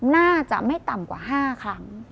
น่าจะไม่ต่ำกว่า๕ครั้ง